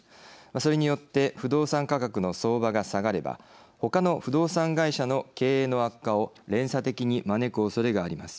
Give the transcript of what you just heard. それによって不動産価格の相場が下がればほかの不動産会社の経営の悪化を連鎖的に招くおそれがあります。